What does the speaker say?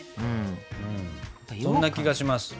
そんな気がします。